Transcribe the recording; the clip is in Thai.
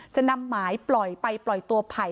จะนำหมายปล่อยไปปล่อยตัวไผ่